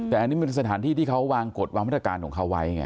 แต่อันนี้เป็นสถานที่ที่เขาวางกฎวางมาตรการของเขาไว้ไง